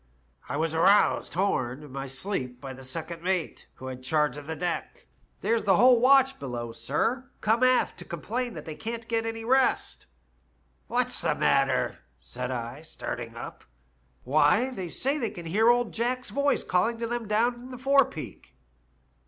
I was aroused horn, my sleep by the second mate, who had charge of the deck. "* There's the whole watch below, sir, come aft to complain that they can't get any rest.' CAN THESE DRY BONES LIVEf 265 *'' What's the matter ?' said I, starting up. "* Why, they say they can hear old Jack's voice calling to them down in the forepeak.'